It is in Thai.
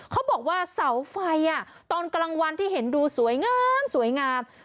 เขาบอกว่าเสาไฟตอนกลางวันที่เห็นดูสวยงามสวยงาม